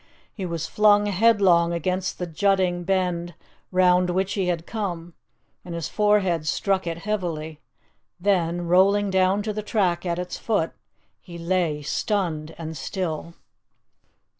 He was flung headlong against the jutting bend round which he had come, and his forehead struck it heavily; then, rolling down to the track at its foot, he lay stunned and still.